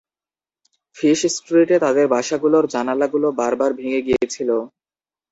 Fish স্ট্রিটে তাদের বাসাগুলোর জানালাগুলো বার বার ভেঙে গিয়েছিল।